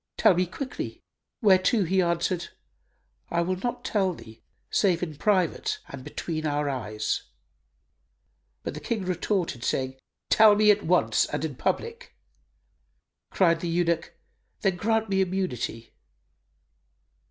Tell me quickly;" whereto he answered, "I will not tell thee, save in private and between our eyes," but the King retorted, saying, "Tell me at once and in public." Cried the eunuch, "Then grant me immunity."